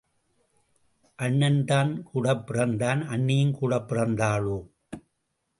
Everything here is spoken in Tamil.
அண்ணன்தான் கூடப்பிறந்தான் அண்ணியும் கூடப் பிறந்தாளோ?